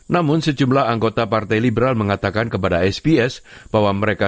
namun sejumlah anggota partai liberal mengatakan kepada sps bahwa mereka